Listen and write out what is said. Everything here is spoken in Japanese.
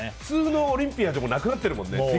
普通のオリンピアンでもなくなってるもんね。